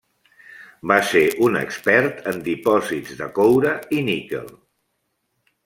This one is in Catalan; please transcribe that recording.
Va ser un expert en dipòsits de coure i níquel.